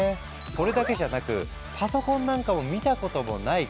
それだけじゃなくパソコンなんかも見たこともない奇抜な形になったり。